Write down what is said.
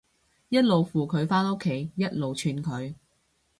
一路扶佢返屋企，一路串佢